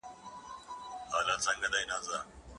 باید د ناروغانو د درملنې لپاره وړیا درمل برابر شي.